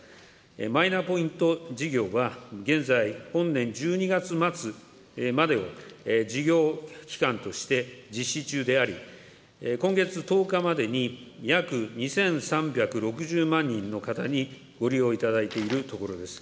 マイナポイント事業は、現在、本年１２月末までを事業期間として実施中であり、今月１０日までに約２３６０万人の方にご利用いただいているところです。